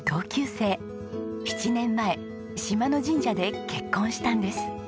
７年前島の神社で結婚したんです。